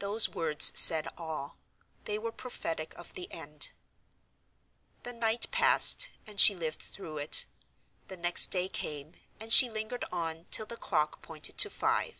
Those words said all: they were prophetic of the end. The night passed; and she lived through it. The next day came; and she lingered on till the clock pointed to five.